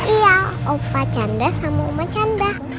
iya opacandra sama omacandra